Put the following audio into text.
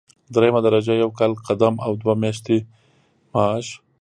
دریمه درجه یو کال قدم او دوه میاشتې معاش.